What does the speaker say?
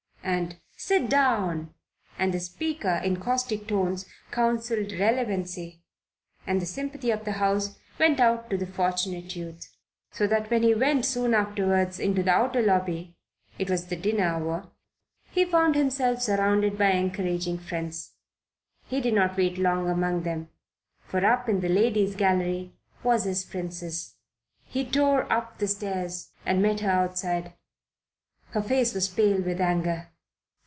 and "Sit down!" and the Speaker, in caustic tones, counselled relevancy, and the sympathy of the House went out to the Fortunate Youth; so that when he went soon afterwards into the outer lobby it was the dinner hour he found himself surrounded by encouraging friends. He did not wait long among them, for up in the Ladies' Gallery was his Princess. He tore up the stairs and met her outside. Her face was pale with anger.